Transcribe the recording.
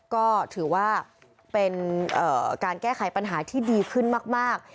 ก็ถือว่าเป็นการแก้ไขปัญหาที่ดีขึ้นมาก